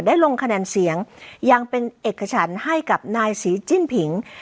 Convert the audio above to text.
ลงคะแนนเสียงยังเป็นเอกฉันให้กับนายศรีจิ้นผิง